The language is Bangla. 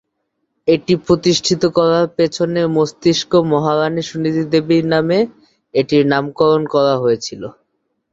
এটি প্রতিষ্ঠিত করার পেছনের মস্তিষ্ক মহারাণী সুনীতি দেবীর নামে এটির নামকরণ করা হয়েছিল।